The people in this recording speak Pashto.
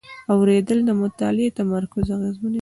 اورېدل د مطالعې تمرکز اغېزمنوي.